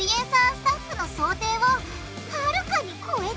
スタッフの想定をはるかに超えちゃった